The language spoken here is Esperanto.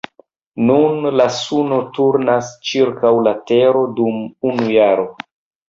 Nun la suno turnas ĉirkaŭ la tero dum unu jaro.